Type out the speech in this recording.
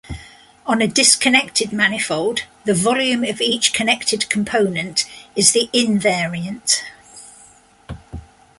On a disconnected manifold, the volume of each connected component is the invariant.